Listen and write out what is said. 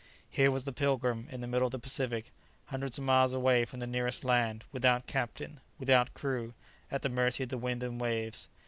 Here was the "Pilgrim" in the middle of the Pacific, hundreds of miles away from the nearest land, without captain, without crew, at the mercy of the wind and waves.